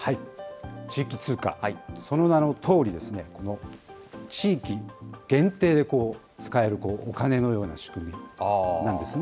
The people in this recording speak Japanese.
地域通貨、その名のとおりですね、地域限定で使えるお金のような仕組みなんですね。